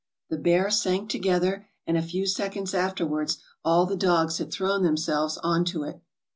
The bear sank together, and a few seconds afterwards all the dogs had thrown themselves on to it.